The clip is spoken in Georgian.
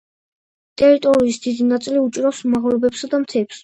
ტერიტორიის დიდი ნაწილი უჭირავს მაღლობებსა და მთებს.